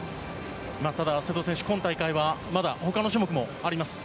ただ瀬戸選手、今大会はまだ他の種目もあります。